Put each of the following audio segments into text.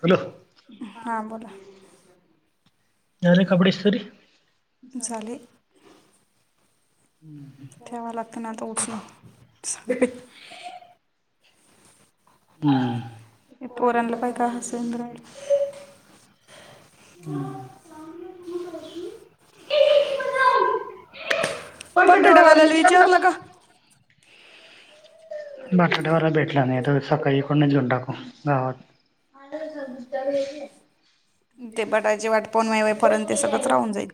Hello हां बोला झाले कपडे इसतरी? झाले. ठेवा लागते ना आता उचलुन‌. हम्म ह्या पोरांना पण काय हसु येऊन राहिले. [inaudible] बटाट्यावाल्याला विचारल का? बटाट्यावाला भेटला नाही तर सकाळी कोणी घेऊन टाकू गावात. ते बटायची वाट पाहूण माय वेर्फस ते सगळंच राहून जाईल.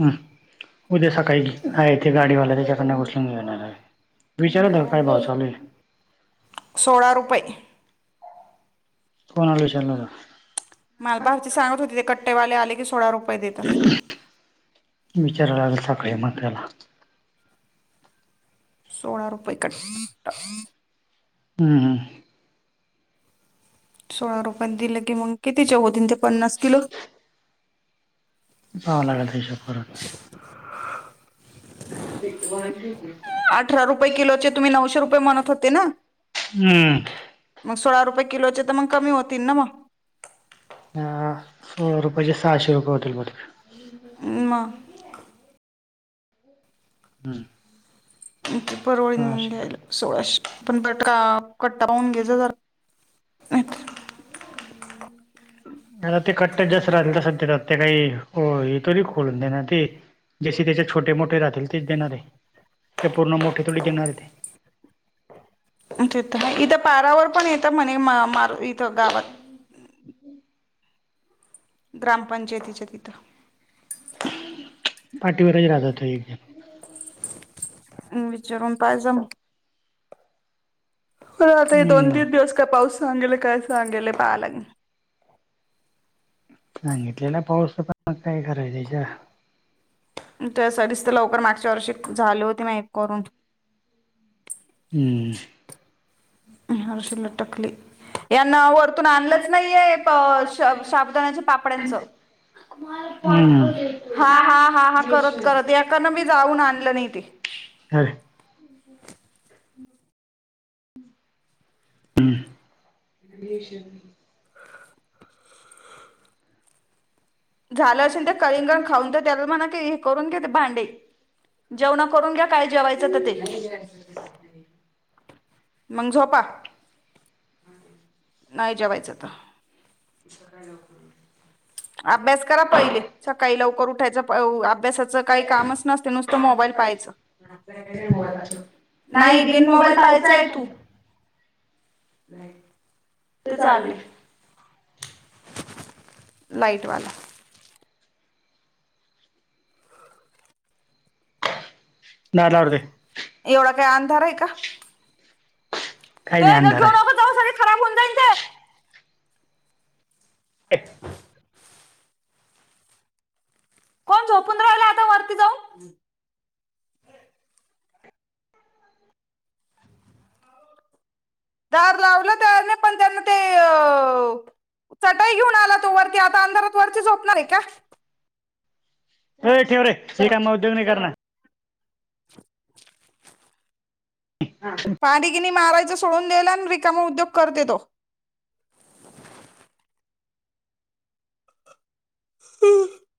हम उद्या सकाळी आहे येते गाडीवाला त्याच्याकडन उस- मी पण जाणार विचाराना काय भाव चालू आहे. सोळा रुपये. कोणाला विचारलं होतं. माझी भाची सांगत होती ते कट्टेवाले आले की सोळा रुपये दे त्यानां- विचाराव लागल सगळ मग त्याला सोळा रुपये कट. हम् हम- सोळा रुपये दिले की मग कितीचे होतील? ते पन्नास किलो. बगावं लागल हिशोब करून. अठरा रुपये किलोचे तुम्ही नऊशे रुपये म्हणत होते ना? हम्म मग सोळा रुपये किलोचे तर मग कमी होतील ना मग. हां, सोळा रुपयाचे सहाशे रुपये होतील बहुतेक. अमऽ हम्म. किती परवडेल मगं सहाशे घ्यायला? सोळाशे पण पटका कट्टा पाहून घ्यायच जर आता ते कट्ट्या जास्त राहिल तस ते काही, हो तोरी खोलून दे ना ते. जसे त्याच्या छोटे मोठे राहतील तेच देणारे,, ते पूर्ण मोठे थोडी देणारे ए ते. ते तर हाय,,, इथं पारावर पण येतं म्हणे मार इथं गावात [inaudible] ग्रामपंचायतीच्या तिथं. पाठीवरच राहतात ते एक अं विचारून पायज म हो आता हे दोन हम्म तीन दिवस काय पाऊस सांगेल काय सांगेलय पाहालाग सांगितलेला पाऊस प मग काय कराय त्यच्या त्यासाठीच तर लवकर मागच्या वर्षी झाले होते माइक वरून. हम्म. हरशीला टाकली. यांना वरतून आणलंच नाहीये, प शाबूदानाच्या पापड्यांचं- हा हा हा हा हम्म. करत करत याकडनं मी जाऊन आणलं नाही [unintelligible] ते हय हम्म [unintelligible] झालं असेल तर किंलिंगण खाऊन तन त्याला म्हणा की हे करून घेते भांडे, जेवणं करून घ्या काय जेवायचं तर ते मंग झोपा नाय जेवायचं तर [unintelligible] अभ्यास करा पयले सकाळी लवकर उठायचं, अ व अभ्यासाचं काही कामचं नसतं, नुसतं मोबाईल पाहायचं [unintelligible] नाही ते मोबाईल पाहायचा य तू ते तेचालं चालले [unintelligible] लाईटवाला [unintelligible] एवढा काय अंधार आहे का? काही नाही काय गं अंधार घेऊ आहे नको जावा सगळे खराब होऊ जाईल ते. एक कोण झोपुन राहिला आता वरती जाऊन? दार लावलं त्याने पण त्यांनं ते अ चटाई घेऊन आला तो वरती, आता अंधारात वरती झोपणार ए का? ए ठेव रे,, रीकामं उद्योग नही करणार. हा [unintelligible] [unintelligible] माराचं सोडून दिलं, आणि रिकामे उद्योग करतोय तो [unintelligible]